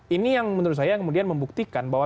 ini yang menurut saya kemudian membuktikan bahwa